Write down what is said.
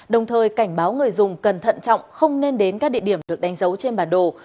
đồng thời cảnh báo người dùng cẩn thận trọng không nên đến các địa điểm được đánh dấu trên bản đồ